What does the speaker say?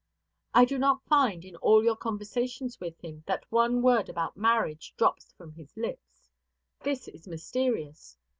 I do not find, in all your conversations with him, that one word about marriage drops from his lips. This is mysterious.